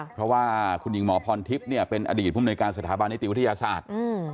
เพราะว่าคุณหญิงหมอพรทิพย์เนี่ยเป็นอดีตภูมิในการสถาบันนิติวิทยาศาสตร์